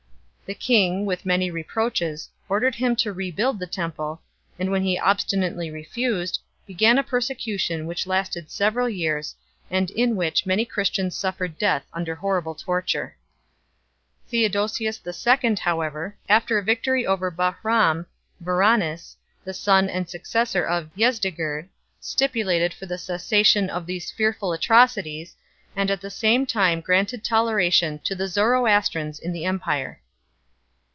The king, with many reproaches, ordered him to rebuild the temple, and when he obstinately refused, began a persecution which lasted several years, and in which many Christians suffered death under horrible torture 2 . Theodosius II., however, after a victory over Bahrain (Varanes), the son and successor of Yezdegerd, stipulated for the cessation of these fearful atrocities, and at the same time granted toleration to the Zoroastrians in the empire.